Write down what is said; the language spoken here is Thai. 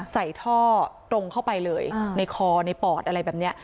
ใส่ท่อตรงเข้าไปเลยในคอในปอดอะไรแบบนี้